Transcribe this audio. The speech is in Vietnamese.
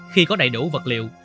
khi có đầy đủ vật liệu